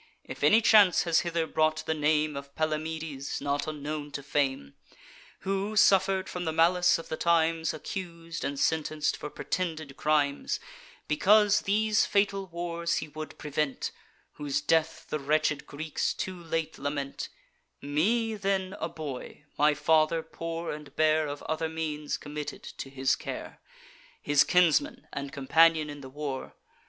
If any chance has hither brought the name Of Palamedes, not unknown to fame, Who suffer'd from the malice of the times, Accus'd and sentenc'd for pretended crimes, Because these fatal wars he would prevent; Whose death the wretched Greeks too late lament; Me, then a boy, my father, poor and bare Of other means, committed to his care, His kinsman and companion in the war.